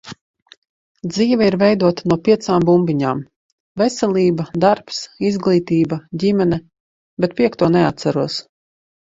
Dzīve ir veidota no piecām bumbiņām - veselība, darbs, izglītība, ģimene, bet piekto neatceros.